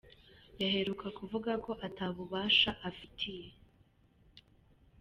Yaheruka kuvuga ko ata bubasha abifitiye.